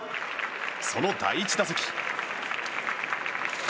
その第１打席。